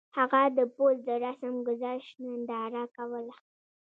هغه د پوځ د رسم ګذشت ننداره کوله.